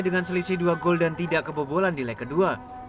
dengan selisih dua gol dan tidak kebobolan di leg kedua